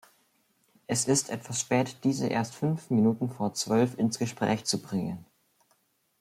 Es ist etwas spät, diese erst fünf Minuten vor zwölf ins Gespräch zu bringen.